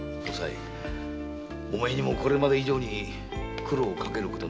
お前にはこれまで以上苦労かける事に。